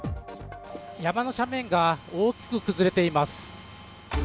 山の斜面が大きく崩れています。